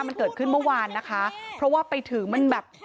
มันเกิดขึ้นเมื่อวานนะคะเพราะว่าไปถึงมันแบบ